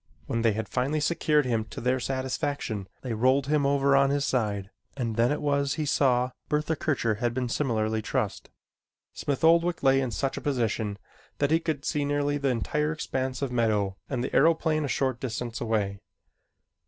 When they had finally secured him to their satisfaction, they rolled him over on his side and then it was he saw Bertha Kircher had been similarly trussed. Smith Oldwick lay in such a position that he could see nearly the entire expanse of meadow and the aeroplane a short distance away.